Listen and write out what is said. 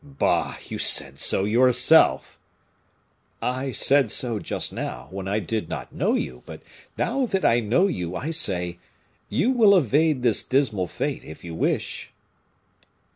"Bah! you said so yourself." "I said so just now, when I did not know you; but now that I know you, I say you will evade this dismal fate, if you wish!"